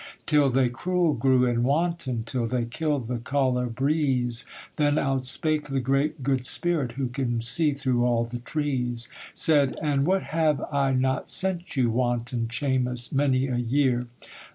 'Till they cruel grew, and wanton: Till they killed the colibris. Then outspake the great Good Spirit, Who can see through all the trees, 'Said "And what have I not sent you, Wanton Chaymas, many a year?